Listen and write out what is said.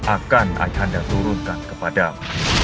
akan ayahanda turunkan kepadamu